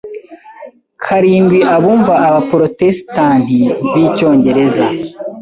karindwi abumva abaprotestanti b'icyongereza.